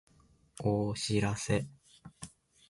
お知らせ